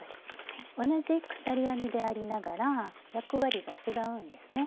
同じ鎖編みでありながら役割が違うんですね。